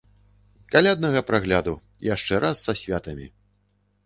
Каляднага прагляду, яшчэ раз са святамі!